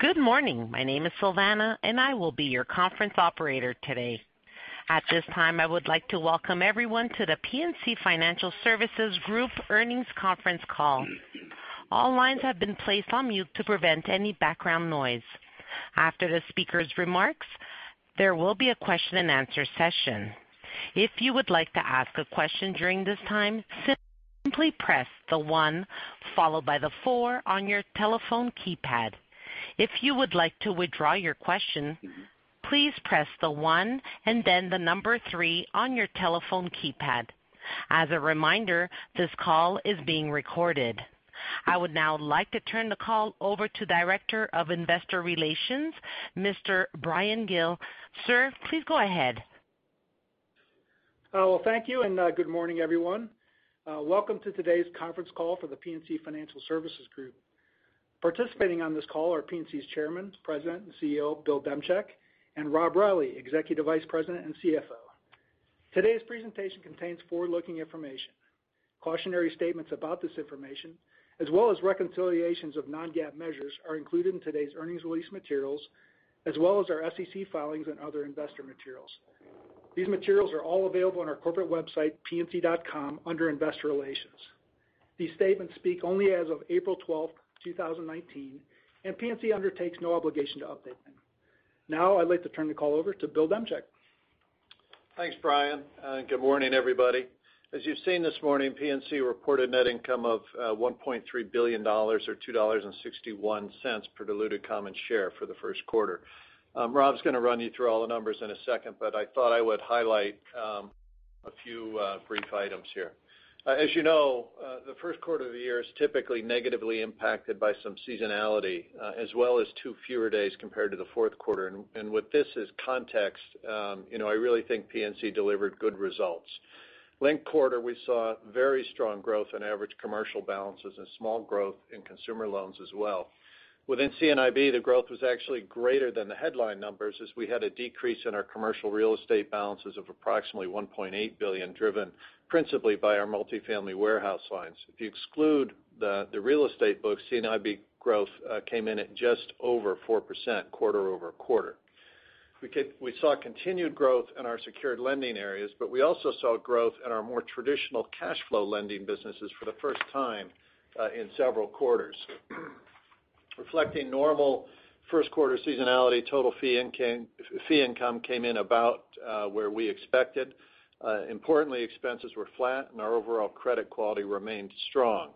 Good morning. My name is Savannah, and I will be your conference operator today. At this time, I would like to welcome everyone to The PNC Financial Services Group earnings conference call. All lines have been placed on mute to prevent any background noise. After the speaker's remarks, there will be a question and answer session. If you would like to ask a question during this time, simply press the one followed by the four on your telephone keypad. If you would like to withdraw your question, please press the one and then the number three on your telephone keypad. As a reminder, this call is being recorded. I would now like to turn the call over to Director of Investor Relations, Mr. Bryan Gill. Sir, please go ahead. Well, thank you, and good morning, everyone. Welcome to today's conference call for The PNC Financial Services Group. Participating on this call are PNC's Chairman, President, and Chief Executive Officer, Bill Demchak, and Rob Reilly, Executive Vice President and Chief Financial Officer. Today's presentation contains forward-looking information. Cautionary statements about this information, as well as reconciliations of non-GAAP measures, are included in today's earnings release materials, as well as our SEC filings and other investor materials. These materials are all available on our corporate website, pnc.com, under Investor Relations. These statements speak only as of April 12th, 2019, and PNC undertakes no obligation to update them. Now I'd like to turn the call over to Bill Demchak. Thanks, Bryan, and good morning, everybody. As you've seen this morning, PNC reported net income of $1.3 billion, or $2.61 per diluted common share for the first quarter. Rob's going to run you through all the numbers in a second, but I thought I would highlight a few brief items here. As you know, the first quarter of the year is typically negatively impacted by some seasonality, as well as two fewer days compared to the fourth quarter. With this as context, I really think PNC delivered good results. Linked quarter, we saw very strong growth in average commercial balances and small growth in consumer loans as well. Within C&IB, the growth was actually greater than the headline numbers as we had a decrease in our commercial real estate balances of approximately $1.8 billion, driven principally by our multifamily warehouse lines. If you exclude the real estate books, C&IB growth came in at just over 4% quarter-over-quarter. We saw continued growth in our secured lending areas, but we also saw growth in our more traditional cash flow lending businesses for the first time in several quarters. Reflecting normal first quarter seasonality, total fee income came in about where we expected. Importantly, expenses were flat and our overall credit quality remained strong.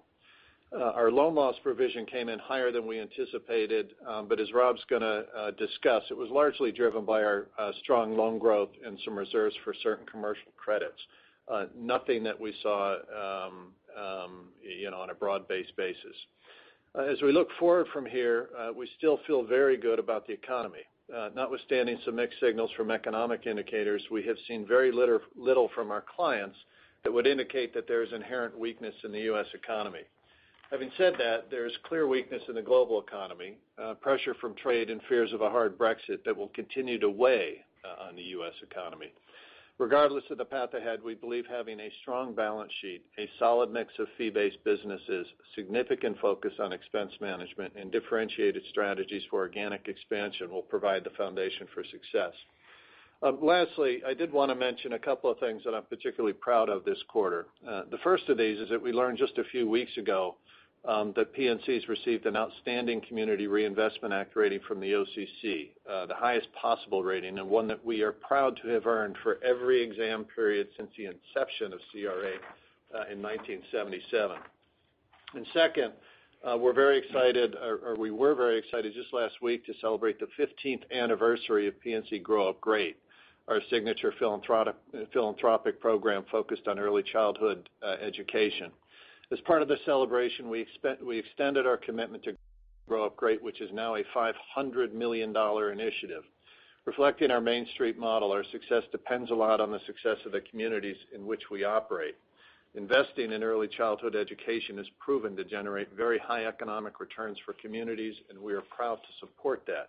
Our loan loss provision came in higher than we anticipated, but as Rob's going to discuss, it was largely driven by our strong loan growth and some reserves for certain commercial credits. Nothing that we saw on a broad-based basis. As we look forward from here, we still feel very good about the economy. Notwithstanding some mixed signals from economic indicators, we have seen very little from our clients that would indicate that there is inherent weakness in the U.S. economy. Having said that, there is clear weakness in the global economy, pressure from trade and fears of a hard Brexit that will continue to weigh on the U.S. economy. Regardless of the path ahead, we believe having a strong balance sheet, a solid mix of fee-based businesses, significant focus on expense management, and differentiated strategies for organic expansion will provide the foundation for success. Lastly, I did want to mention a couple of things that I'm particularly proud of this quarter. The first of these is that we learned just a few weeks ago, that PNC's received an outstanding Community Reinvestment Act rating from the OCC, the highest possible rating, and one that we are proud to have earned for every exam period since the inception of CRA in 1977. Second, we're very excited, or we were very excited just last week to celebrate the 15th anniversary of PNC Grow Up Great, our signature philanthropic program focused on early childhood education. As part of the celebration, we extended our commitment to Grow Up Great, which is now a $500 million initiative. Reflecting our Main Street model, our success depends a lot on the success of the communities in which we operate. Investing in early childhood education has proven to generate very high economic returns for communities, and we are proud to support that.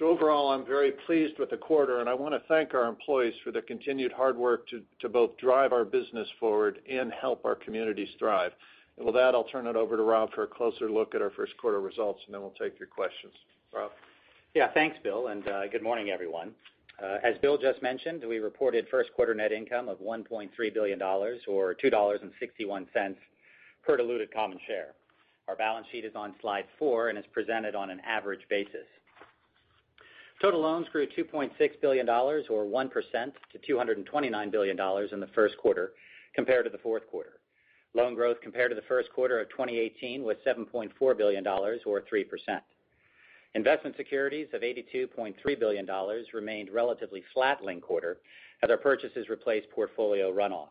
Overall, I'm very pleased with the quarter, and I want to thank our employees for their continued hard work to both drive our business forward and help our communities thrive. With that, I'll turn it over to Rob for a closer look at our first quarter results, and then we'll take your questions. Rob? Yeah. Thanks, Bill, and good morning, everyone. As Bill just mentioned, we reported first quarter net income of $1.3 billion, or $2.61 per diluted common share. Our balance sheet is on slide four and is presented on an average basis. Total loans grew $2.6 billion, or 1%, to $229 billion in the first quarter compared to the fourth quarter. Loan growth compared to the first quarter of 2018 was $7.4 billion, or 3%. Investment securities of $82.3 billion remained relatively flat linked quarter as our purchases replaced portfolio runoff.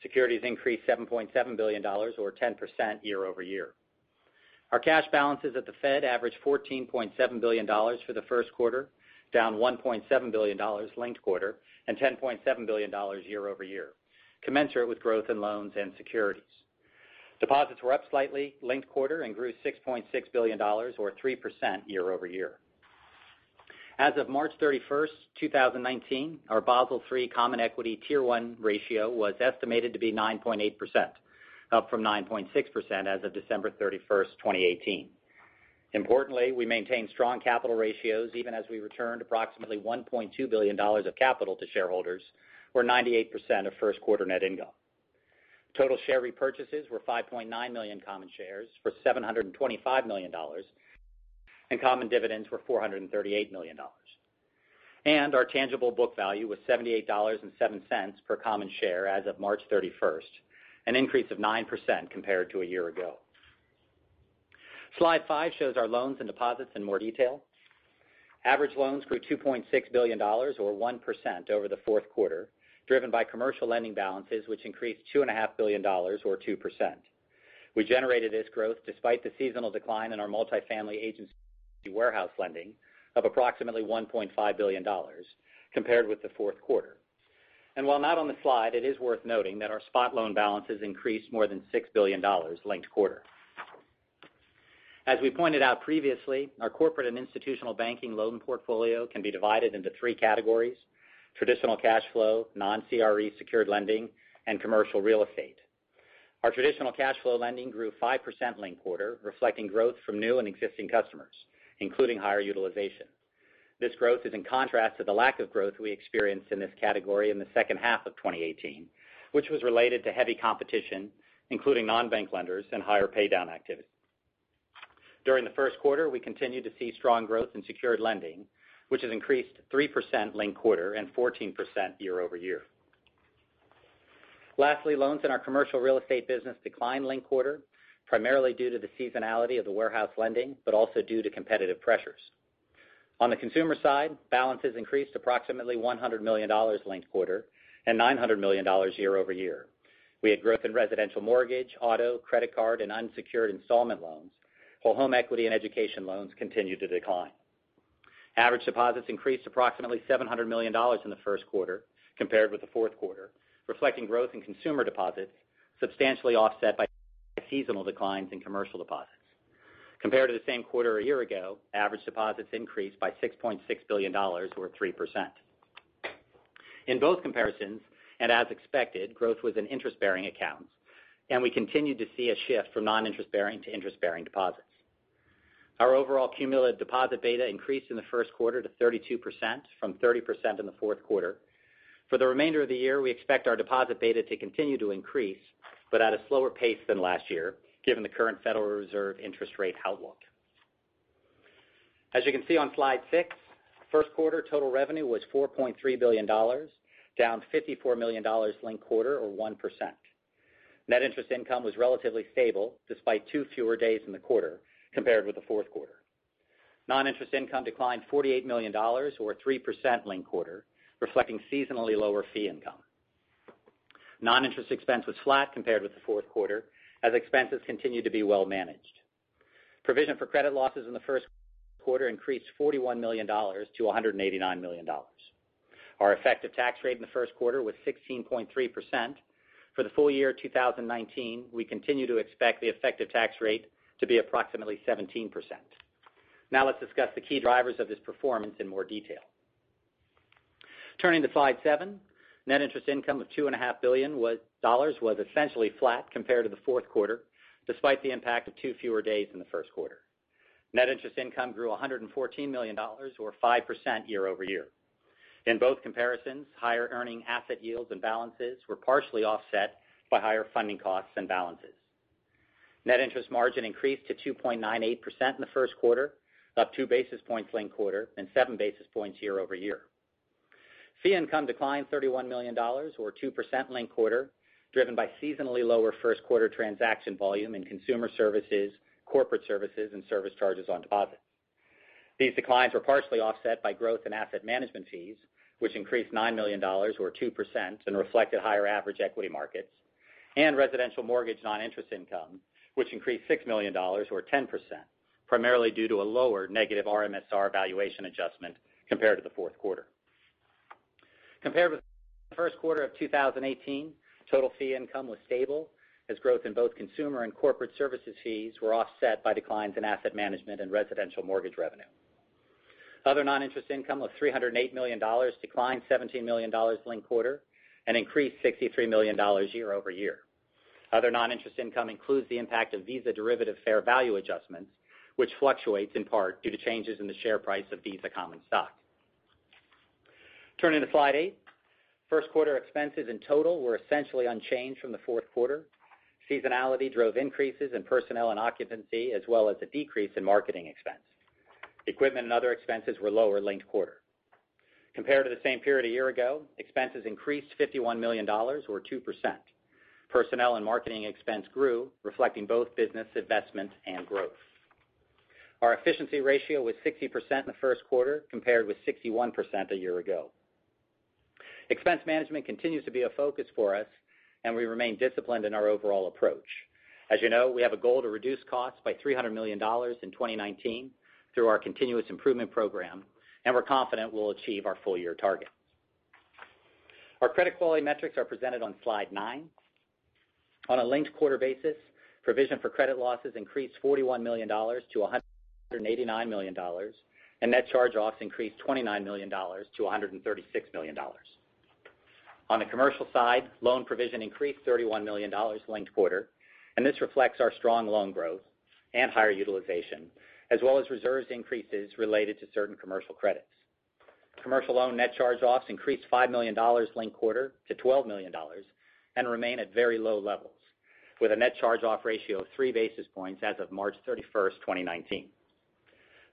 Securities increased $7.7 billion, or 10%, year-over-year. Our cash balances at the Fed averaged $14.7 billion for the first quarter, down $1.7 billion linked quarter and $10.7 billion year-over-year, commensurate with growth in loans and securities. Deposits were up slightly linked quarter and grew $6.6 billion, or 3%, year-over-year. As of March 31st, 2019, our Basel III common equity Tier 1 ratio was estimated to be 9.8%, up from 9.6% as of December 31st, 2018. Importantly, we maintained strong capital ratios even as we returned approximately $1.2 billion of capital to shareholders or 98% of first quarter net income. Total share repurchases were 5.9 million common shares for $725 million, and common dividends were $438 million. Our tangible book value was $78.07 per common share as of March 31st, an increase of 9% compared to a year ago. Slide five shows our loans and deposits in more detail. Average loans grew $2.6 billion or 1% over the fourth quarter, driven by commercial lending balances which increased $2.5 billion or 2%. We generated this growth despite the seasonal decline in our multifamily agency warehouse lending of approximately $1.5 billion compared with the fourth quarter. While not on the slide, it is worth noting that our spot loan balances increased more than $6 billion linked quarter. As we pointed out previously, our Corporate & Institutional Banking loan portfolio can be divided into 3 categories: traditional cash flow, non-CRE secured lending, and commercial real estate. Our traditional cash flow lending grew 5% linked quarter, reflecting growth from new and existing customers, including higher utilization. This growth is in contrast to the lack of growth we experienced in this category in the second half of 2018, which was related to heavy competition, including non-bank lenders and higher paydown activity. During the first quarter, we continued to see strong growth in secured lending, which has increased 3% linked quarter and 14% year-over-year. Lastly, loans in our commercial real estate business declined linked quarter, primarily due to the seasonality of the warehouse lending, but also due to competitive pressures. On the consumer side, balances increased approximately $100 million linked quarter and $900 million year-over-year. We had growth in residential mortgage, auto, credit card, and unsecured installment loans, while home equity and education loans continued to decline. Average deposits increased approximately $700 million in the first quarter compared with the fourth quarter, reflecting growth in consumer deposits, substantially offset by seasonal declines in commercial deposits. Compared to the same quarter a year ago, average deposits increased by $6.6 billion or 3%. In both comparisons, as expected, growth was in interest-bearing accounts, and we continued to see a shift from non-interest-bearing to interest-bearing deposits. Our overall cumulative deposit beta increased in the first quarter to 32% from 30% in the fourth quarter. For the remainder of the year, we expect our deposit beta to continue to increase, but at a slower pace than last year, given the current Federal Reserve interest rate outlook. As you can see on Slide six, first quarter total revenue was $4.3 billion, down $54 million linked quarter or 1%. Net interest income was relatively stable despite two fewer days in the quarter compared with the fourth quarter. Non-interest income declined $48 million or 3% linked quarter, reflecting seasonally lower fee income. Non-interest expense was flat compared with the fourth quarter as expenses continued to be well managed. Provision for credit losses in the first quarter increased $41 million to $189 million. Our effective tax rate in the first quarter was 16.3%. For the full year 2019, we continue to expect the effective tax rate to be approximately 17%. Let's discuss the key drivers of this performance in more detail. Turning to slide seven, net interest income of $2.5 billion was essentially flat compared to the fourth quarter, despite the impact of two fewer days in the first quarter. Net interest income grew $114 million or 5% year-over-year. In both comparisons, higher earning asset yields and balances were partially offset by higher funding costs and balances. Net interest margin increased to 2.98% in the first quarter, up two basis points linked quarter, and seven basis points year-over-year. Fee income declined $31 million or 2% linked quarter, driven by seasonally lower first quarter transaction volume in consumer services, corporate services, and service charges on deposits. These declines were partially offset by growth in asset management fees, which increased $9 million or 2% and reflected higher average equity markets, and residential mortgage non-interest income, which increased $6 million or 10%, primarily due to a lower negative RMSR valuation adjustment compared to the fourth quarter. Compared with the first quarter of 2018, total fee income was stable as growth in both consumer and corporate services fees were offset by declines in asset management and residential mortgage revenue. Other non-interest income of $308 million declined $17 million linked quarter and increased $63 million year-over-year. Other non-interest income includes the impact of Visa derivative fair value adjustments, which fluctuates in part due to changes in the share price of Visa common stock. Turning to slide eight, first quarter expenses in total were essentially unchanged from the fourth quarter. Seasonality drove increases in personnel and occupancy as well as a decrease in marketing expense. Equipment and other expenses were lower linked quarter. Compared to the same period a year ago, expenses increased $51 million or 2%. Personnel and marketing expense grew, reflecting both business investment and growth. Our efficiency ratio was 60% in the first quarter compared with 61% a year ago. Expense management continues to be a focus for us, and we remain disciplined in our overall approach. As you know, we have a goal to reduce costs by $300 million in 2019 through our continuous improvement program, and we're confident we'll achieve our full year targets. Our credit quality metrics are presented on slide nine. On a linked-quarter basis, provision for credit losses increased $41 million to $189 million, and net charge-offs increased $29 million to $136 million. On the commercial side, loan provision increased $31 million linked quarter. This reflects our strong loan growth and higher utilization, as well as reserves increases related to certain commercial credits. Commercial loan net charge-offs increased $5 million linked quarter to $12 million, and remain at very low levels, with a net charge-off ratio of three basis points as of March 31st, 2019.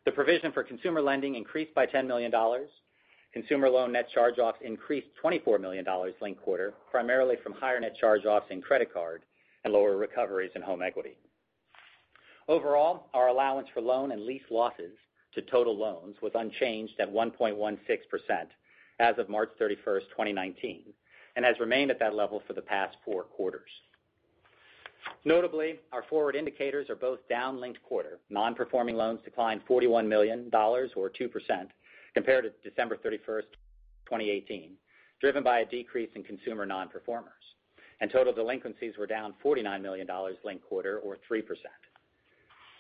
The provision for consumer lending increased by $10 million. Consumer loan net charge-offs increased $24 million linked quarter, primarily from higher net charge-offs in credit card and lower recoveries in home equity. Overall, our allowance for loan and lease losses to total loans was unchanged at 1.16% as of March 31st, 2019, and has remained at that level for the past four quarters. Notably, our forward indicators are both down linked quarter. Non-performing loans declined $41 million, or 2%, compared to December 31st, 2018, driven by a decrease in consumer non-performers. Total delinquencies were down $49 million linked quarter, or 3%.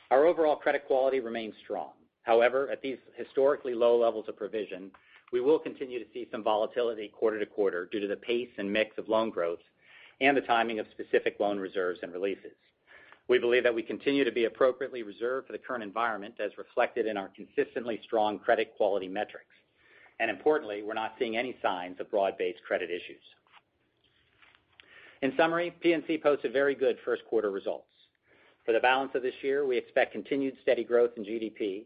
Our overall credit quality remains strong. However, at these historically low levels of provision, we will continue to see some volatility quarter to quarter due to the pace and mix of loan growth and the timing of specific loan reserves and releases. We believe that we continue to be appropriately reserved for the current environment as reflected in our consistently strong credit quality metrics. Importantly, we're not seeing any signs of broad-based credit issues. In summary, PNC posts a very good first quarter results. For the balance of this year, we expect continued steady growth in GDP,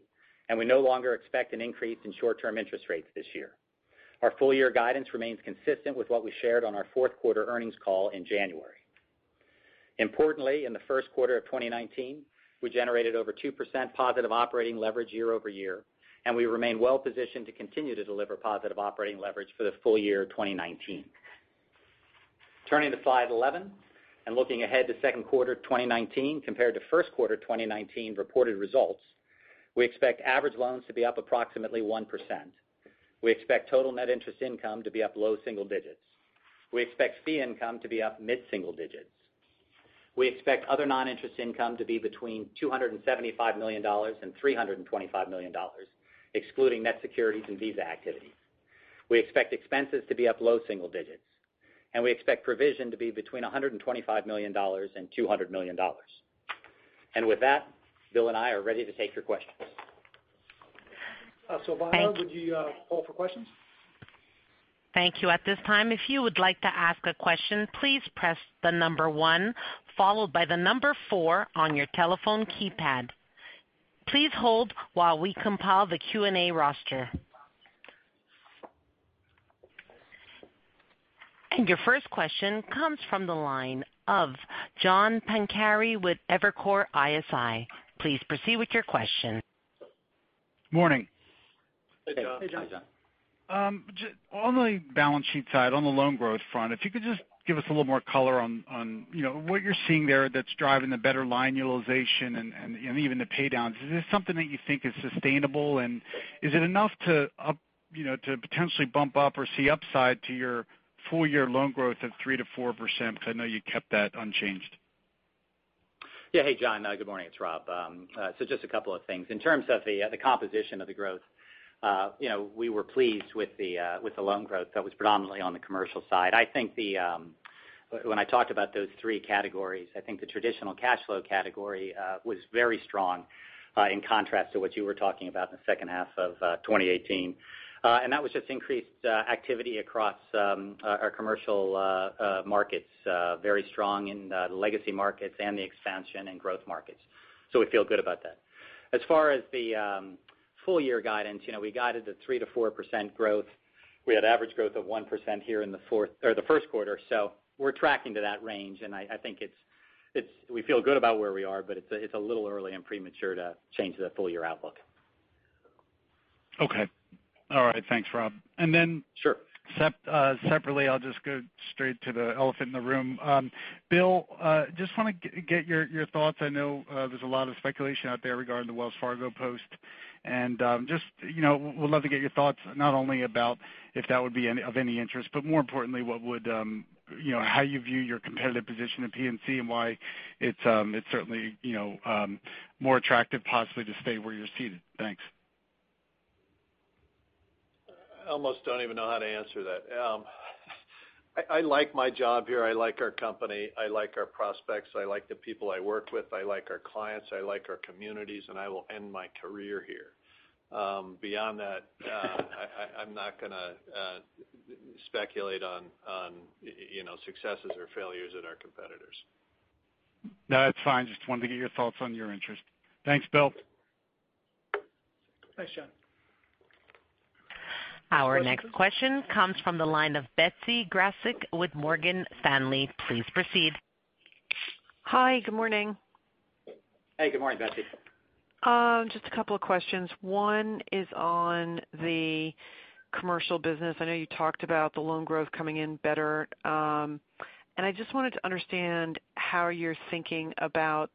and we no longer expect an increase in short-term interest rates this year. Our full-year guidance remains consistent with what we shared on our fourth quarter earnings call in January. Importantly, in the first quarter of 2019, we generated over 2% positive operating leverage year-over-year, and we remain well-positioned to continue to deliver positive operating leverage for the full year 2019. Turning to slide 11 and looking ahead to second quarter 2019 compared to first quarter 2019 reported results, we expect average loans to be up approximately 1%. We expect total net interest income to be up low single digits. We expect fee income to be up mid-single digits. We expect other non-interest income to be between $275 million and $325 million, excluding net securities and Visa activity. We expect expenses to be up low single digits, and we expect provision to be between $125 million and $200 million. With that, Bill and I are ready to take your questions. Operator, would you call for questions? Thank you. At this time, if you would like to ask a question, please press the number one followed by the number four on your telephone keypad. Please hold while we compile the Q&A roster. Your first question comes from the line of John Pancari with Evercore ISI. Please proceed with your question. Morning. Hey, John. Hey, John. On the balance sheet side, on the loan growth front, if you could just give us a little more color on what you're seeing there that's driving the better line utilization and even the paydowns. Is this something that you think is sustainable, and is it enough to potentially bump up or see upside to your full-year loan growth of 3%-4%? I know you kept that unchanged. Yeah. Hey, John. Good morning. It's Rob. Just a couple of things. In terms of the composition of the growth, we were pleased with the loan growth that was predominantly on the commercial side. When I talked about those three categories, I think the traditional cash flow category was very strong in contrast to what you were talking about in the second half of 2018. That was just increased activity across our commercial markets, very strong in the legacy markets and the expansion and growth markets. We feel good about that. As far as the full-year guidance, we guided to 3%-4% growth. We had average growth of 1% here in the first quarter, we're tracking to that range, and I think we feel good about where we are, but it's a little early and premature to change the full-year outlook. Okay. All right. Thanks, Rob. Sure. Separately, I'll just go straight to the elephant in the room. Bill, just want to get your thoughts. I know there's a lot of speculation out there regarding the Wells Fargo post, and just would love to get your thoughts, not only about if that would be of any interest, but more importantly, how you view your competitive position at PNC and why it's certainly more attractive possibly to stay where you're seated. Thanks. I almost don't even know how to answer that. I like my job here. I like our company. I like our prospects. I like the people I work with. I like our clients. I like our communities, and I will end my career here. Beyond that, I'm not going to speculate on successes or failures at our competitors. No, that's fine. Just wanted to get your thoughts on your interest. Thanks, Bill. Thanks, John. Our next question comes from the line of Betsy Graseck with Morgan Stanley. Please proceed. Hi. Good morning. Hey. Good morning, Betsy. Just a couple of questions. One is on the commercial business. I know you talked about the loan growth coming in better. I just wanted to understand how you're thinking about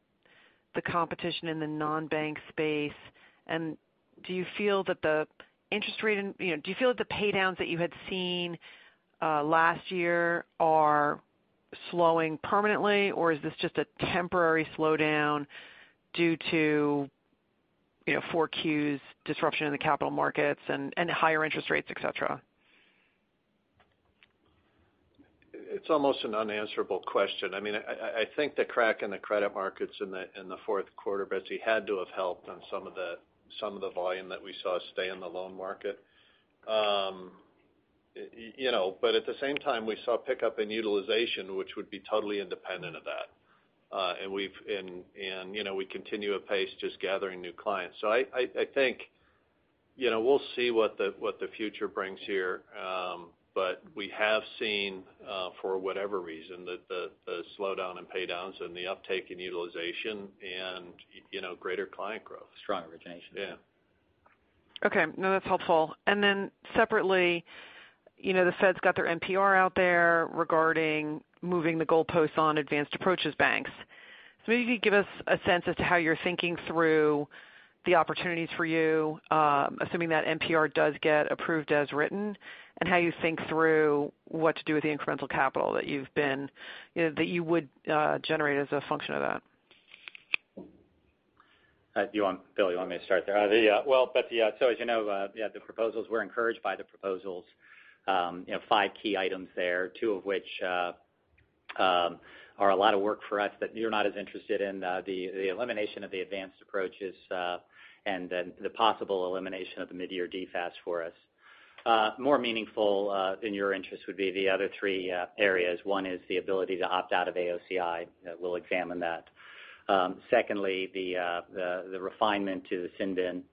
the competition in the non-bank space. Do you feel that the pay downs that you had seen last year are slowing permanently, or is this just a temporary slowdown due to 4Q's disruption in the capital markets and higher interest rates, et cetera? It's almost an unanswerable question. I think the crack in the credit markets in the fourth quarter, Betsy, had to have helped on some of the volume that we saw stay in the loan market. At the same time, we saw a pickup in utilization, which would be totally independent of that. We continue at pace just gathering new clients. I think we'll see what the future brings here. We have seen, for whatever reason, the slowdown in pay downs and the uptick in utilization and greater client growth. Strong retention. Yeah. Okay. No, that's helpful. Separately, the Fed's got their NPR out there regarding moving the goalposts on advanced approaches banks. Maybe give us a sense as to how you're thinking through the opportunities for you, assuming that NPR does get approved as written, and how you think through what to do with the incremental capital that you would generate as a function of that. Bill, you want me to start there? Well, Betsy, as you know, yeah, the proposals, we're encouraged by the proposals. Five key items there, two of which are a lot of work for us, we are not as interested in the elimination of the advanced approaches and then the possible elimination of the mid-year DFAST for us. More meaningful in your interest would be the other three areas. One is the ability to opt out of AOCI. We'll examine that. Secondly, the refinement to the [CIMBEN]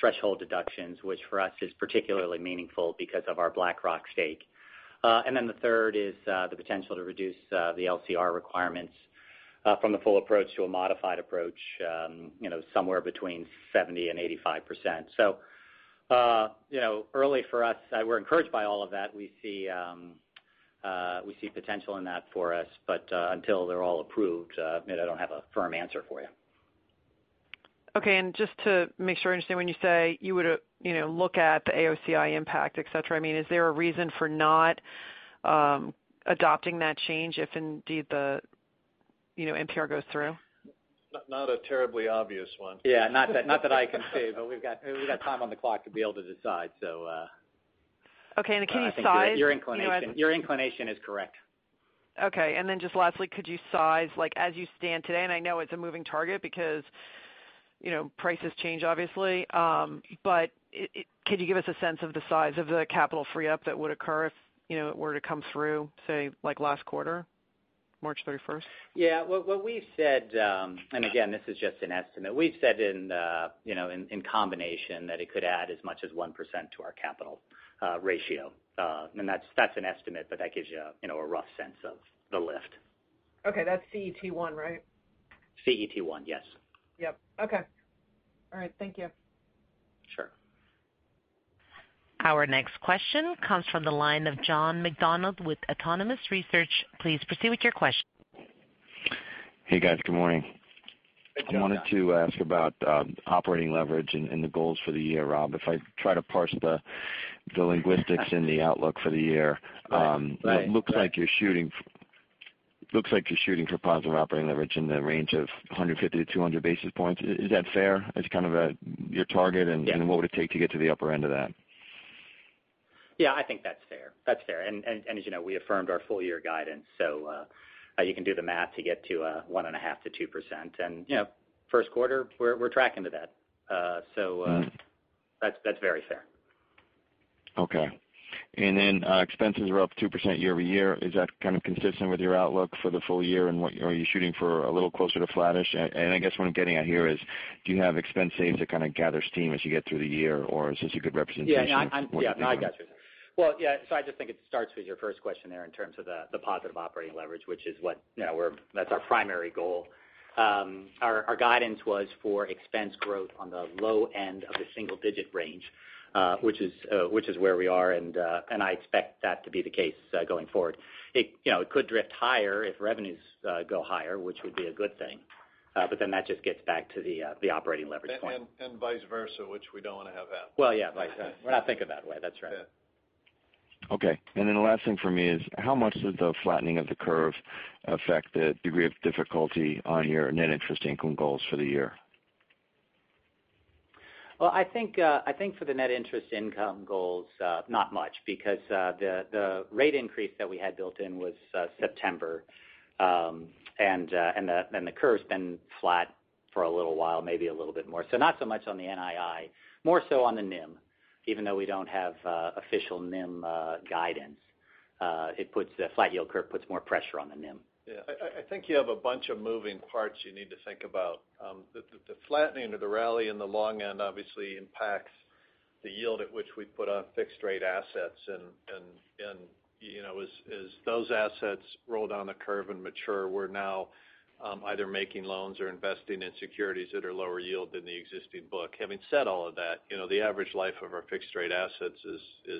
threshold deductions, which for us is particularly meaningful because of our BlackRock stake. Then the third is the potential to reduce the LCR requirements from the full approach to a modified approach, somewhere between 70%-85%. Early for us. We're encouraged by all of that. We see potential in that for us. Until they're all approved, I don't have a firm answer for you. Okay, just to make sure I understand, when you say you would look at the AOCI impact, et cetera, is there a reason for not adopting that change if indeed the NPR goes through? Not a terribly obvious one. Yeah. Not that I can see, but we've got time on the clock to be able to decide so. Okay, can you size- Your inclination is correct. Okay. Just lastly, could you size, as you stand today, and I know it's a moving target because prices change, obviously, but could you give us a sense of the size of the capital free up that would occur if it were to come through, say, last quarter, March 31st? Yeah. What we've said, again, this is just an estimate, we've said in combination that it could add as much as 1% to our capital ratio. That's an estimate, but that gives you a rough sense of the lift. Okay. That's CET1, right? CET1, yes. Yep. Okay. All right. Thank you. Sure. Our next question comes from the line of John McDonald with Autonomous Research. Please proceed with your question. Hey, guys. Good morning. Hey, John. I wanted to ask about operating leverage and the goals for the year. Rob, if I try to parse the linguistics in the outlook for the year. Right It looks like you're shooting for positive operating leverage in the range of 150 to 200 basis points. Is that fair as kind of your target? Yeah. What would it take to get to the upper end of that? Yeah, I think that's fair. As you know, we affirmed our full-year guidance. You can do the math to get to 1.5%-2%. First quarter, we're tracking to that. That's very fair. Okay. Expenses are up 2% year-over-year. Is that kind of consistent with your outlook for the full year? Are you shooting for a little closer to flattish? I guess what I'm getting at here is, do you have expense saves that kind of gather steam as you get through the year, or is this a good representation of what you're thinking? Yeah. No, I got you. Well, yeah. I just think it starts with your first question there in terms of the positive operating leverage, which is what our primary goal. Our guidance was for expense growth on the low end of the single-digit range, which is where we are, and I expect that to be the case going forward. It could drift higher if revenues go higher, which would be a good thing. That just gets back to the operating leverage point. Vice versa, which we don't want to have that. Well, yeah. When I think of that way, that's right. Yeah. Okay. The last thing for me is how much does the flattening of the curve affect the degree of difficulty on your net interest income goals for the year? Well, I think for the net interest income goals, not much because the rate increase that we had built in was September. The curve's been flat for a little while, maybe a little bit more. Not so much on the NII, more so on the NIM. Even though we don't have official NIM guidance. A flat yield curve puts more pressure on the NIM. Yeah. I think you have a bunch of moving parts you need to think about. The flattening of the rally in the long end obviously impacts the yield at which we put on fixed rate assets. As those assets roll down the curve and mature, we're now either making loans or investing in securities that are lower yield than the existing book. Having said all of that, the average life of our fixed rate assets is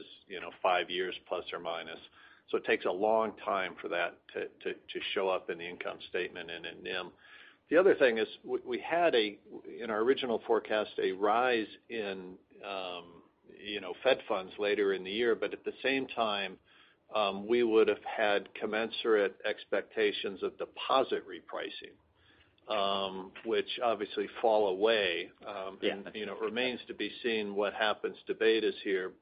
five years, plus or minus. It takes a long time for that to show up in the income statement and in NIM. The other thing is we had, in our original forecast, a rise in Fed funds later in the year. At the same time, we would've had commensurate expectations of deposit repricing, which obviously fall away. Yeah. It remains to be seen what happens. Debate is here.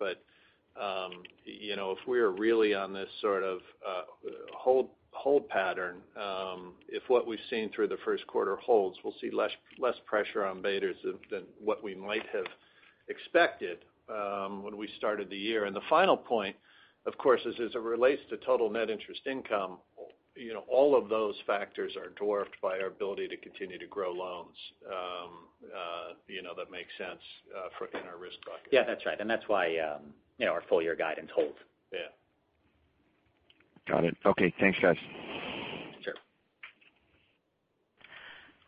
If we are really on this sort of hold pattern, if what we've seen through the first quarter holds, we'll see less pressure on betas than what we might have expected when we started the year. The final point, of course, is as it relates to total net interest income, all of those factors are dwarfed by our ability to continue to grow loans that make sense in our risk bucket. Yeah, that's right. That's why our full-year guidance holds. Yeah. Got it. Okay, thanks guys. Sure.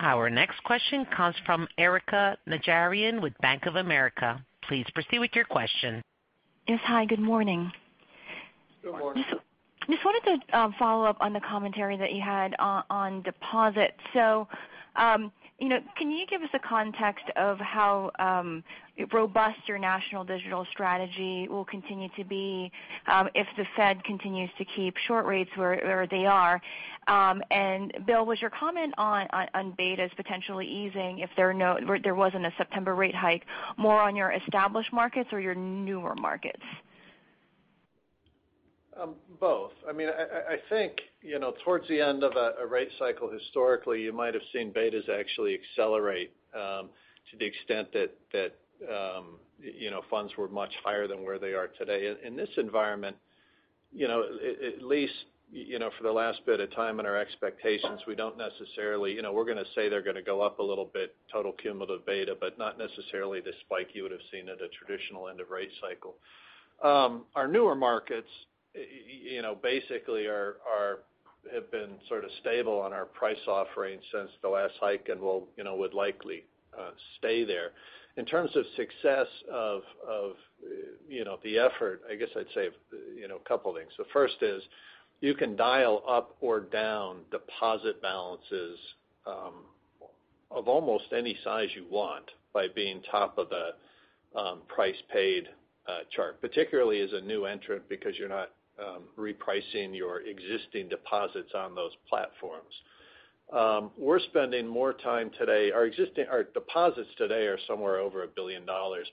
Our next question comes from Erika Najarian with Bank of America. Please proceed with your question. Yes. Hi, good morning. Good morning. Just wanted to follow up on the commentary that you had on deposits. Can you give us a context of how robust your national digital strategy will continue to be if the Fed continues to keep short rates where they are? Bill, was your comment on betas potentially easing if there wasn't a September rate hike more on your established markets or your newer markets? Both. I think towards the end of a rate cycle, historically, you might've seen betas actually accelerate to the extent that funds were much higher than where they are today. In this environment, at least for the last bit of time in our expectations, we're going to say they're going to go up a little bit, total cumulative beta, but not necessarily the spike you would've seen at a traditional end of rate cycle. Our newer markets basically have been stable on our price offering since the last hike and would likely stay there. In terms of success of the effort, I guess I'd say a couple things. The first is you can dial up or down deposit balances of almost any size you want by being top of the price paid chart. Particularly as a new entrant because you're not repricing your existing deposits on those platforms. We're spending more time today. Our deposits today are somewhere over $1 billion. The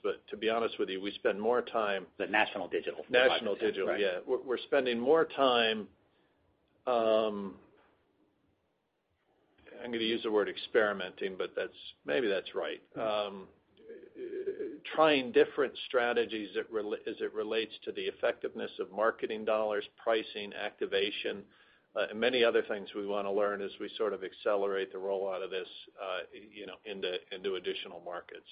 national digital deposit. National digital, yeah. We're spending more time, I'm going to use the word experimenting, but maybe that's right. Trying different strategies as it relates to the effectiveness of marketing dollars, pricing, activation, many other things we want to learn as we accelerate the rollout of this into additional markets.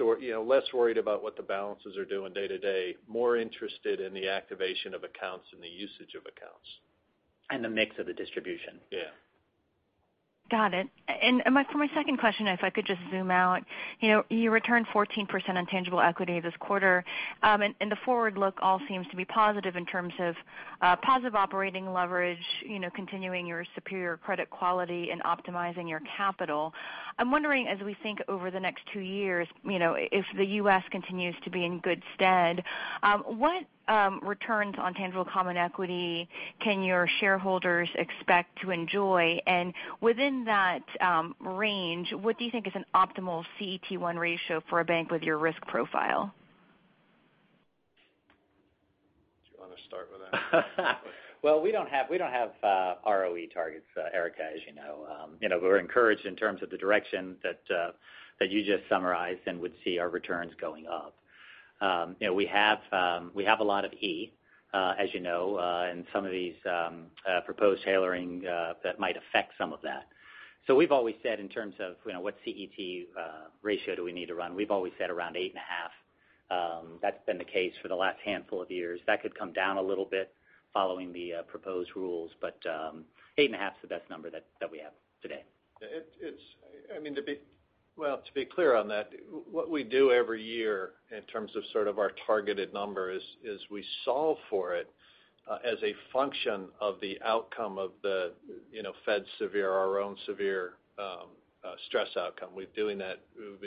We're less worried about what the balances are doing day to day, more interested in the activation of accounts and the usage of accounts. The mix of the distribution. Yeah. Got it. For my second question, if I could just zoom out. You returned 14% on tangible equity this quarter. The forward look all seems to be positive in terms of positive operating leverage, continuing your superior credit quality and optimizing your capital. I'm wondering, as we think over the next two years, if the U.S. continues to be in good stead, what returns on tangible common equity can your shareholders expect to enjoy? Within that range, what do you think is an optimal CET1 ratio for a bank with your risk profile? Do you want to start with that? Well, we don't have ROE targets, Erika, as you know. We're encouraged in terms of the direction that you just summarized and would see our returns going up. We have a lot of E, as you know, and some of these proposed tailoring that might affect some of that. We've always said in terms of what CET ratio do we need to run, we've always said around 8.5. That's been the case for the last handful of years. That could come down a little bit following the proposed rules. 8.5 is the best number that we have today. Well, to be clear on that, what we do every year in terms of our targeted number is we solve for it as a function of the outcome of the Fed severe, our own severe stress outcome. We've been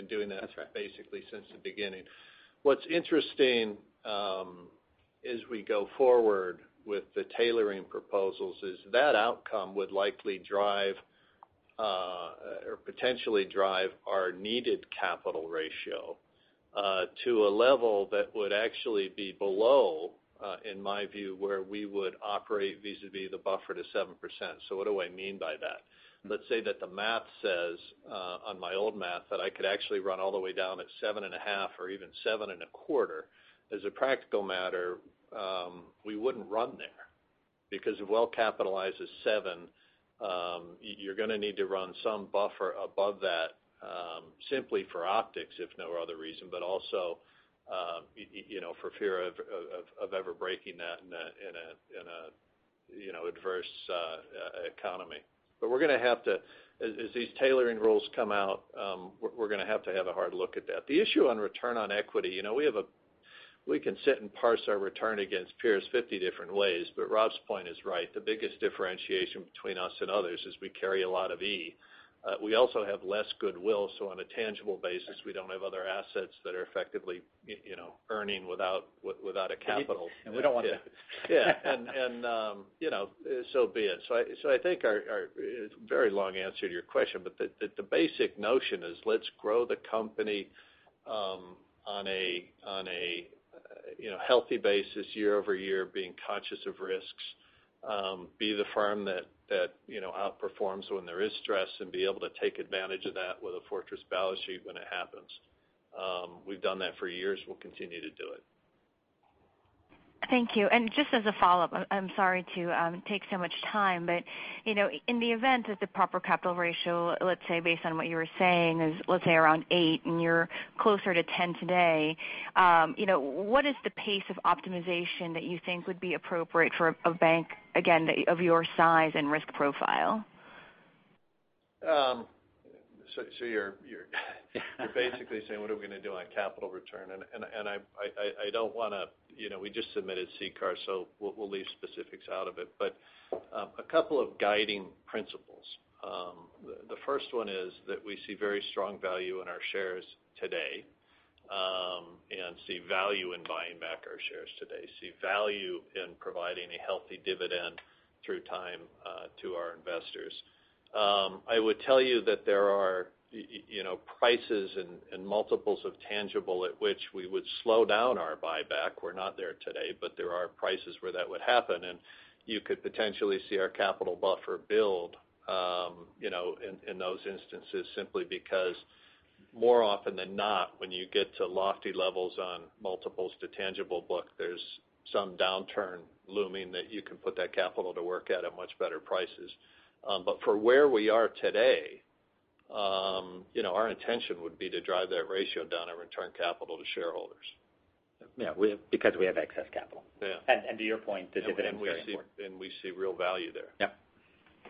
doing that- That's right basically since the beginning. What's interesting as we go forward with the tailoring proposals is that outcome would likely drive or potentially drive our needed capital ratio to a level that would actually be below, in my view, where we would operate vis-a-vis the buffer to 7%. What do I mean by that? Let's say that the math says, on my old math, that I could actually run all the way down at 7.5 or even 7.25. As a practical matter, we wouldn't run there because if well-capitalized is 7, you're going to need to run some buffer above that simply for optics, if no other reason, but also for fear of ever breaking that in an adverse economy. As these tailoring rules come out, we're going to have to have a hard look at that. The issue on return on equity, we can sit and parse our return against peers 50 different ways, but Rob's point is right. The biggest differentiation between us and others is we carry a lot of E. We also have less goodwill, so on a tangible basis, we don't have other assets that are effectively earning without a capital. We don't want that. Yeah. Be it. I think our, very long answer to your question, but the basic notion is let's grow the company on a healthy basis year-over-year, being conscious of risks. Be the firm that outperforms when there is stress, and be able to take advantage of that with a fortress balance sheet when it happens. We've done that for years. We'll continue to do it. Thank you. Just as a follow-up, I'm sorry to take so much time, in the event that the proper capital ratio, let's say based on what you were saying is, let's say around 8, and you're closer to 10 today. What is the pace of optimization that you think would be appropriate for a bank, again, of your size and risk profile? You're basically saying, what are we going to do on capital return? We just submitted CCAR, so we'll leave specifics out of it. A couple of guiding principles. The first one is that we see very strong value in our shares today, and see value in buying back our shares today, see value in providing a healthy dividend through time to our investors. I would tell you that there are prices and multiples of tangible at which we would slow down our buyback. We're not there today, but there are prices where that would happen, and you could potentially see our capital buffer build in those instances, simply because more often than not, when you get to lofty levels on multiples to tangible book, there's some downturn looming that you can put that capital to work at a much better prices. For where we are today, our intention would be to drive that ratio down and return capital to shareholders. Yeah. Because we have excess capital. Yeah. To your point, the dividend is very important. We see real value there. Yep.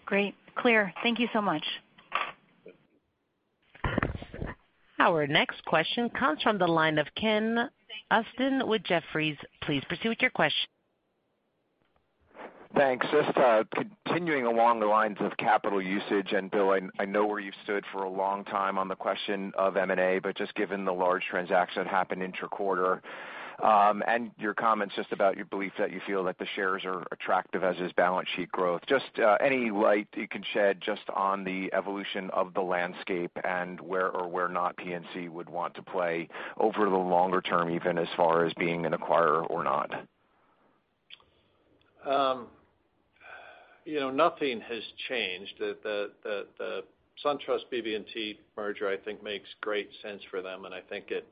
Great. Clear. Thank you so much. Our next question comes from the line of Ken Usdin with Jefferies. Please proceed with your question. Thanks. Just continuing along the lines of capital usage, and Bill, I know where you stood for a long time on the question of M&A, but just given the large transaction that happened inter-quarter, and your comments just about your belief that you feel that the shares are attractive as is balance sheet growth. Just any light you can shed just on the evolution of the landscape and where or where not PNC would want to play over the longer term, even as far as being an acquirer or not? Nothing has changed. The SunTrust BB&T merger, I think makes great sense for them, I think it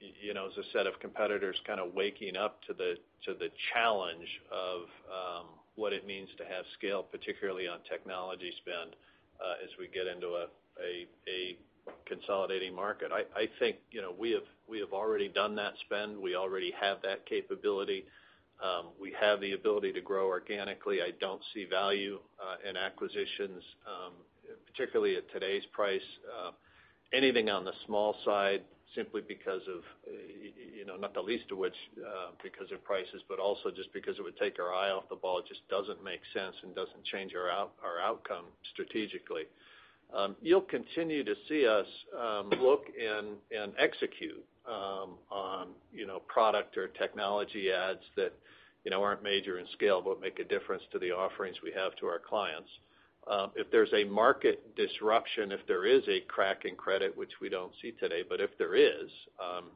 is a set of competitors kind of waking up to the challenge of what it means to have scale, particularly on technology spend, as we get into a consolidating market. I think we have already done that spend. We already have that capability. We have the ability to grow organically. I don't see value in acquisitions, particularly at today's price. Anything on the small side, simply because of, not the least of which because of prices, also just because it would take our eye off the ball. It just doesn't make sense and doesn't change our outcome strategically. You'll continue to see us look and execute on product or technology adds that aren't major in scale, but make a difference to the offerings we have to our clients. If there's a market disruption, if there is a crack in credit, which we don't see today, if there is,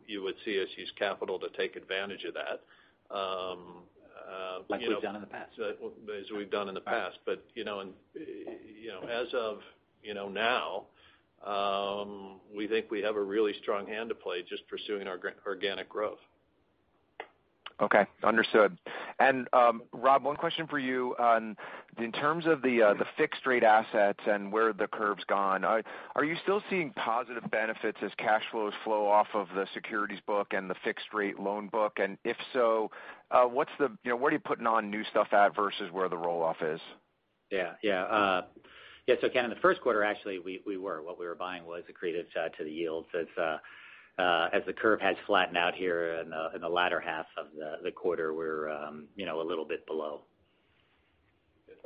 you would see us use capital to take advantage of that. Like we've done in the past. As we've done in the past. As of now, we think we have a really strong hand to play just pursuing our organic growth. Okay. Understood. Rob, one question for you on, in terms of the fixed rate assets and where the curve's gone, are you still seeing positive benefits as cash flows flow off of the securities book and the fixed rate loan book? If so, where are you putting on new stuff at versus where the roll-off is? Yeah. Again, in the first quarter, actually, we were. What we were buying was accretive to the yields. As the curve has flattened out here in the latter half of the quarter, we're a little bit below.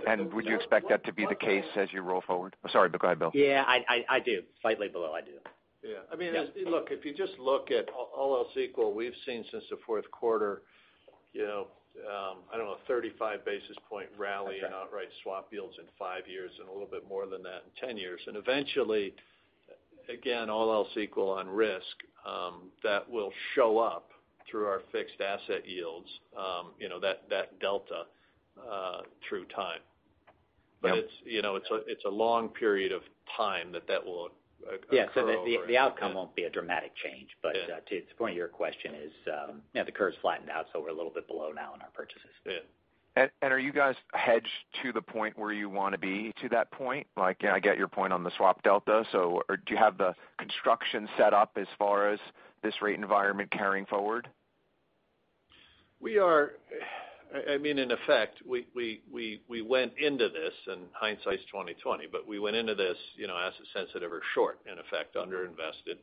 Would you expect that to be the case as you roll forward? Sorry. Go ahead, Bill. Yeah, I do. Slightly below, I do. Yeah. Look, if you just look at all else equal, we've seen since the fourth quarter, I don't know, 35 basis point rally in outright swap yields in five years and a little bit more than that in 10 years. Eventually, again, all else equal on risk, that will show up through our fixed asset yields, that delta through time. Yep. It's a long period of time that that will occur over. Yeah. The outcome won't be a dramatic change. Yeah. To the point of your question is, the curve's flattened out, we're a little bit below now in our purchases. Yeah. Are you guys hedged to the point where you want to be to that point? I get your point on the swap delta. Do you have the construction set up as far as this rate environment carrying forward? We are. In effect, we went into this and hindsight is 2020, but we went into this asset sensitive or short, in effect, underinvested.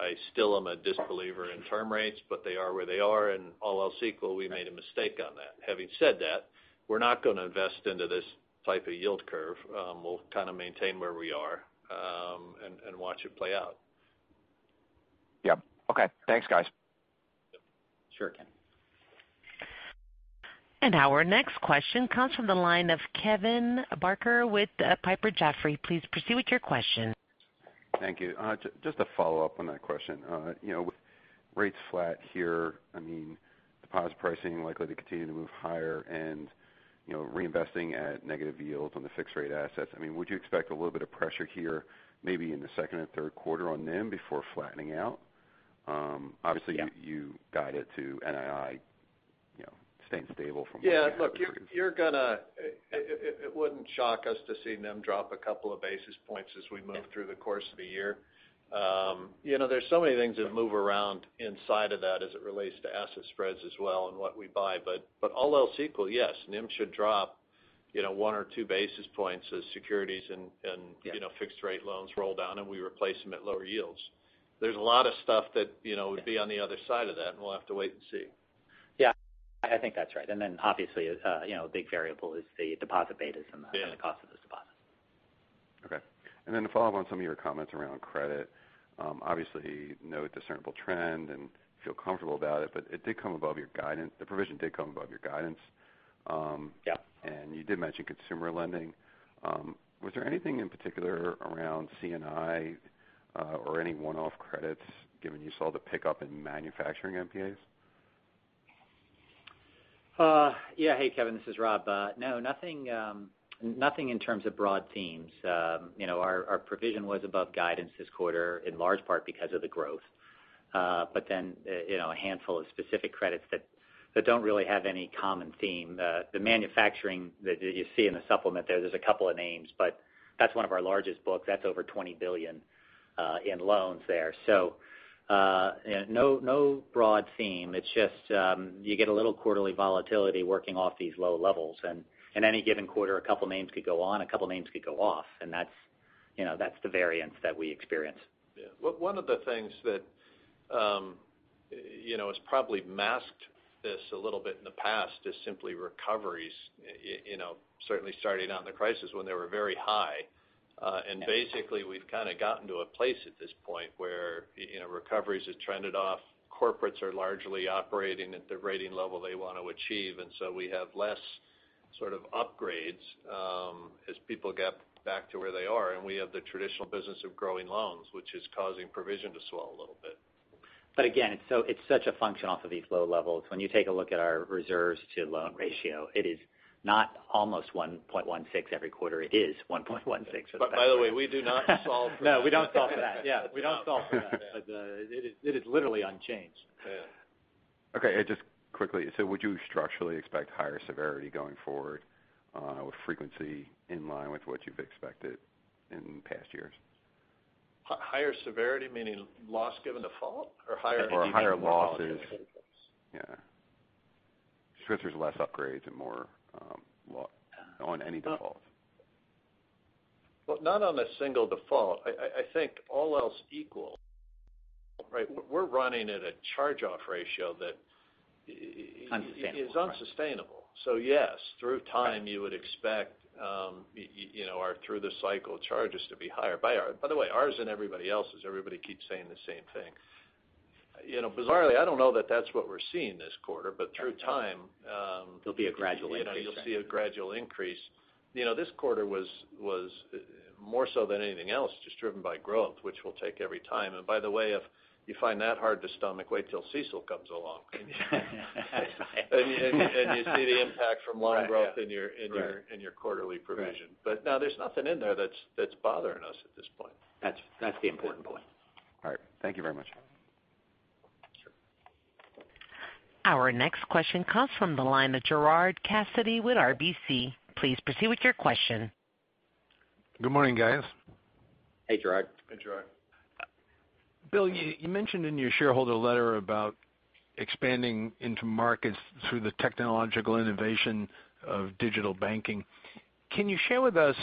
I still am a disbeliever in term rates, but they are where they are and all else equal, we made a mistake on that. Having said that, we're not going to invest into this type of yield curve. We'll kind of maintain where we are and watch it play out. Yep. Okay. Thanks, guys. Sure, Ken. Our next question comes from the line of Kevin Barker with Piper Jaffray. Please proceed with your question. Thank you. Just to follow up on that question. With rates flat here, deposit pricing likely to continue to move higher and reinvesting at negative yields on the fixed rate assets, would you expect a little bit of pressure here maybe in the second or third quarter on NIM before flattening out? Yeah You guided to NII staying stable from what you had previously. Yeah, look, it wouldn't shock us to see NIM drop a couple of basis points as we move through the course of the year. There's so many things that move around inside of that as it relates to asset spreads as well, and what we buy, but all else equal, yes, NIM should drop one or two basis points as securities. Yeah fixed rate loans roll down, we replace them at lower yields. There's a lot of stuff that would be on the other side of that, we'll have to wait and see. Yeah, I think that's right. Obviously, a big variable is the deposit betas. Yeah Cost of the deposits. Okay. To follow up on some of your comments around credit. Obviously, no discernible trend and feel comfortable about it, but it did come above your guidance. The provision did come above your guidance. Yeah. You did mention consumer lending. Was there anything in particular around C&I or any one-off credits given you saw the pickup in manufacturing NPAs? Yeah. Hey, Kevin, this is Rob. No, nothing in terms of broad themes. Our provision was above guidance this quarter, in large part because of the growth. A handful of specific credits that don't really have any common theme. The manufacturing that you see in the supplement there's a couple of names, but that's one of our largest books. That's over $20 billion in loans there. No broad theme. It's just you get a little quarterly volatility working off these low levels. Any given quarter, a couple of names could go on, a couple of names could go off, and that's the variance that we experience. Yeah. One of the things that has probably masked this a little bit in the past is simply recoveries. Certainly starting out in the crisis when they were very high. Yeah. We've kind of gotten to a place at this point where recoveries have trended off. Corporates are largely operating at the rating level they want to achieve. We have less sort of upgrades as people get back to where they are. We have the traditional business of growing loans, which is causing provision to swell a little bit. Again, it's such a function off of these low levels. When you take a look at our reserves to loan ratio, it is not almost 1.16 every quarter. It is 1.16. By the way, we do not solve for that. No, we don't solve for that. Yeah. We don't solve for that. It is literally unchanged. Yeah. Okay, just quickly. Would you structurally expect higher severity going forward with frequency in line with what you've expected in past years? Higher severity meaning loss given default? Or higher- Higher losses. Yeah. Since there's less upgrades and more loss on any default. Well, not on a single default. I think all else equal, we're running at a charge-off ratio that- Unsustainable is unsustainable. Yes, through time, you would expect our through the cycle charges to be higher. By the way, ours and everybody else's. Everybody keeps saying the same thing. Bizarrely, I don't know that that's what we're seeing this quarter. Through time- There'll be a gradual increase. You'll see a gradual increase. This quarter was more so than anything else, just driven by growth, which will take every time. By the way, if you find that hard to stomach, wait till CECL comes along. That's right. You see the impact from loan growth in your quarterly provision. Right. No, there's nothing in there that's bothering us at this point. That's the important point. All right. Thank you very much. Sure. Our next question comes from the line of Gerard Cassidy with RBC. Please proceed with your question. Good morning, guys. Hey, Gerard. Hey, Gerard. Bill, you mentioned in your shareholder letter about expanding into markets through the technological innovation of digital banking. Can you share with us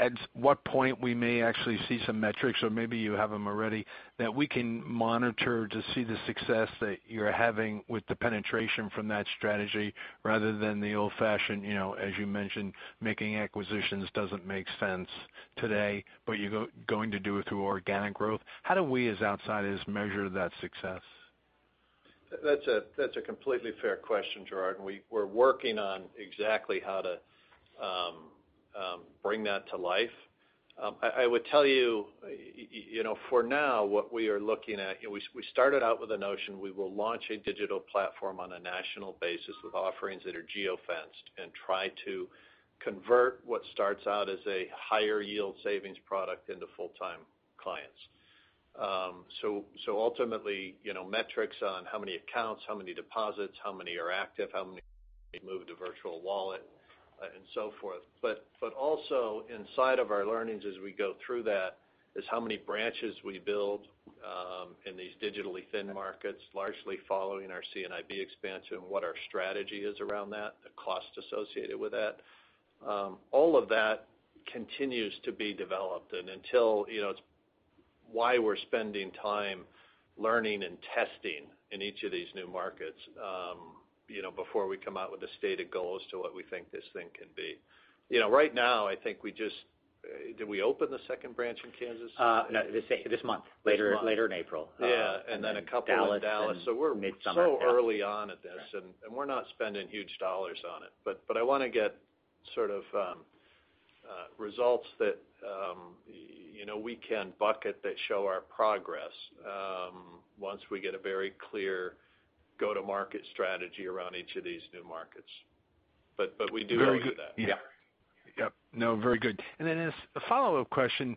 at what point we may actually see some metrics, or maybe you have them already, that we can monitor to see the success that you're having with the penetration from that strategy rather than the old-fashioned, as you mentioned, making acquisitions doesn't make sense today, but you're going to do it through organic growth. How do we as outsiders measure that success? That's a completely fair question, Gerard. We're working on exactly how to bring that to life. I would tell you for now, what we are looking at, we started out with a notion we will launch a digital platform on a national basis with offerings that are geo-fenced and try to convert what starts out as a higher yield savings product into full-time clients. Ultimately, metrics on how many accounts, how many deposits, how many are active, how many they move to Virtual Wallet and so forth. Also inside of our learnings as we go through that is how many branches we build in these digitally thin markets, largely following our C&IB expansion, what our strategy is around that, the cost associated with that. All of that continues to be developed, it's why we're spending time learning and testing in each of these new markets before we come out with a stated goal as to what we think this thing can be. Did we open the second branch in Kansas? No, this month. This month. Later in April. Yeah. Then a couple in Dallas. Dallas midsummer. We're so early on at this, and we're not spending huge dollars on it. I want to get results that we can bucket that show our progress once we get a very clear go-to-market strategy around each of these new markets. We do own that. Very good. Yeah. No, very good. As a follow-up question,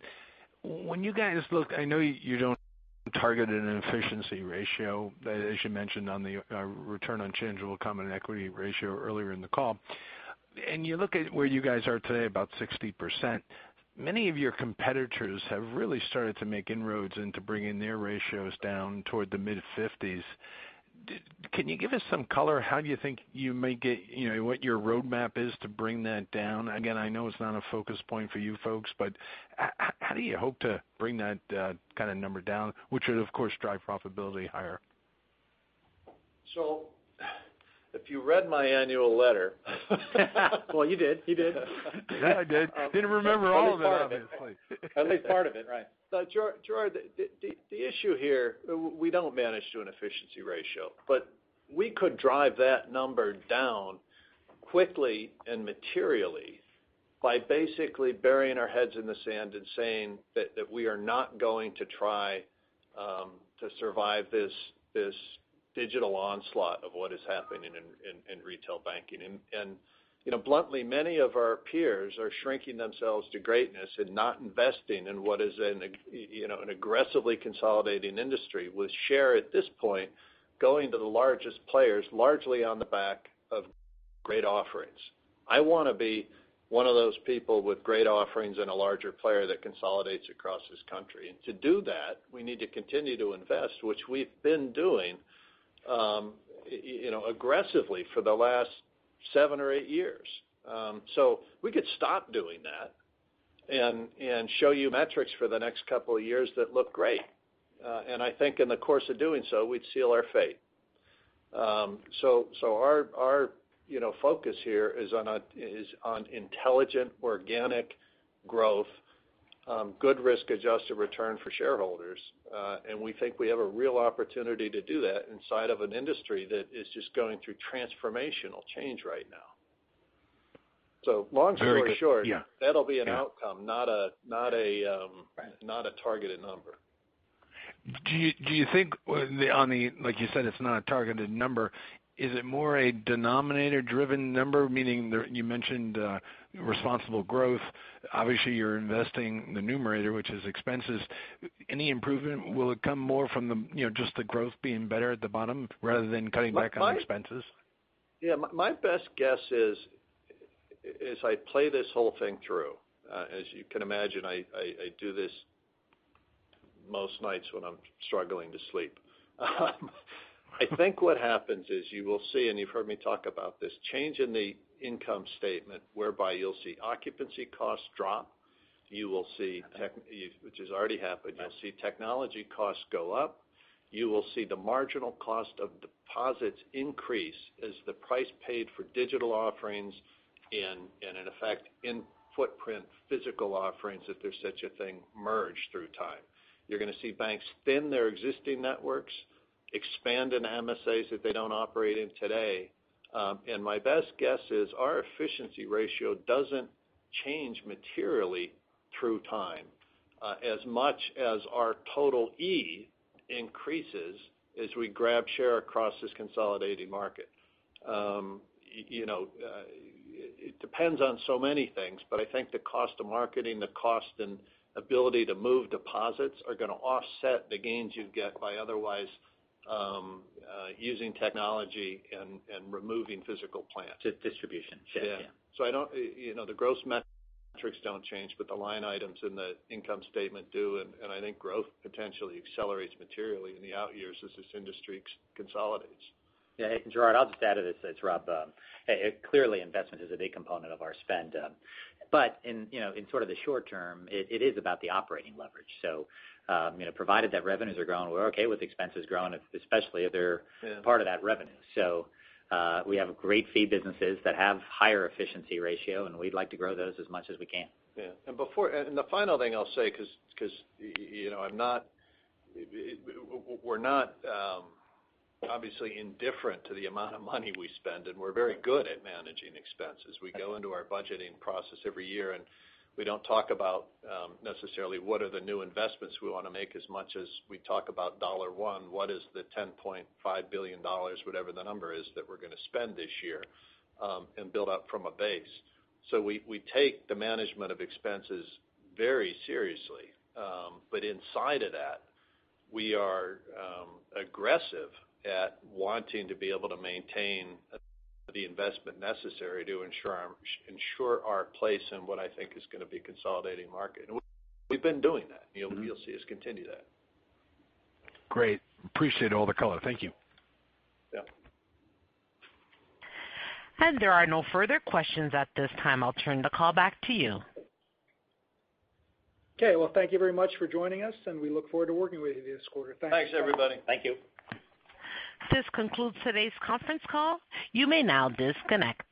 when you guys look, I know you don't target an efficiency ratio, as you mentioned on the return on tangible common equity ratio earlier in the call. You look at where you guys are today, about 60%. Many of your competitors have really started to make inroads into bringing their ratios down toward the mid-50s. Can you give us some color? How do you think you may get what your roadmap is to bring that down? Again, I know it's not a focus point for you folks, but how do you hope to bring that kind of number down, which would, of course, drive profitability higher? If you read my annual letter. Well, he did. Yeah, I did. Didn't remember all of that, obviously. At least part of it, right. Gerard, the issue here, we don't manage to an efficiency ratio. We could drive that number down quickly and materially by basically burying our heads in the sand and saying that we are not going to try to survive this digital onslaught of what is happening in retail banking. Bluntly, many of our peers are shrinking themselves to greatness and not investing in what is an aggressively consolidating industry, with share at this point, going to the largest players, largely on the back of great offerings. I want to be one of those people with great offerings and a larger player that consolidates across this country. To do that, we need to continue to invest, which we've been doing aggressively for the last seven or eight years. We could stop doing that and show you metrics for the next couple of years that look great. I think in the course of doing so, we'd seal our fate. Our focus here is on intelligent, organic growth, good risk-adjusted return for shareholders. We think we have a real opportunity to do that inside of an industry that is just going through transformational change right now. Long story short. Very good, yeah. that'll be an outcome, not a targeted number. Do you think on the, like you said, it's not a targeted number, is it more a denominator-driven number? Meaning you mentioned responsible growth. Obviously, you're investing in the numerator, which is expenses. Any improvement, will it come more from just the growth being better at the bottom rather than cutting back on expenses? Yeah. My best guess is, as I play this whole thing through, as you can imagine, I do this most nights when I'm struggling to sleep. I think what happens is you will see, and you've heard me talk about this, change in the income statement, whereby you'll see occupancy costs drop, which is already happening. You'll see technology costs go up. You will see the marginal cost of deposits increase as the price paid for digital offerings and, in effect, in-footprint physical offerings, if there's such a thing, merge through time. You're going to see banks thin their existing networks, expand in MSAs that they don't operate in today. My best guess is our efficiency ratio doesn't change materially through time as much as our total E increases as we grab share across this consolidating market. It depends on so many things, I think the cost of marketing, the cost and ability to move deposits are going to offset the gains you'd get by otherwise using technology and removing physical plants. To distribution. Yeah. Yeah. The gross metrics don't change, but the line items in the income statement do. I think growth potentially accelerates materially in the out years as this industry consolidates. Yeah. Gerard, I'll just add to this. It's Rob. Clearly, investment is a big component of our spend. In the short term, it is about the operating leverage. Provided that revenues are growing, we're okay with expenses growing, especially if they're part of that revenue. We have great fee businesses that have higher efficiency ratio, and we'd like to grow those as much as we can. Yeah. The final thing I'll say, because we're not obviously indifferent to the amount of money we spend, and we're very good at managing expenses. We go into our budgeting process every year, and we don't talk about necessarily what are the new investments we want to make as much as we talk about dollar one, what is the $10.5 billion, whatever the number is that we're going to spend this year, and build up from a base. We take the management of expenses very seriously. Inside of that, we are aggressive at wanting to be able to maintain the investment necessary to ensure our place in what I think is going to be a consolidating market. We've been doing that, and you'll see us continue that. Great. Appreciate all the color. Thank you. Yeah. There are no further questions at this time. I'll turn the call back to you. Well, thank you very much for joining us, and we look forward to working with you this quarter. Thanks. Thanks, everybody. Thank you. This concludes today's conference call. You may now disconnect.